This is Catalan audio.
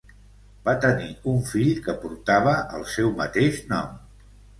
Va tenir un fill que portava el seu mateix nom.